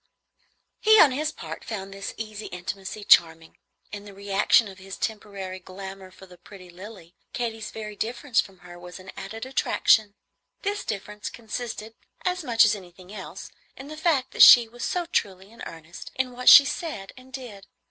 He, on his part, found this easy intimacy charming. In the reaction of his temporary glamour for the pretty Lilly, Katy's very difference from her was an added attraction. This difference consisted, as much as anything else, in the fact that she was so truly in earnest in what she said and did.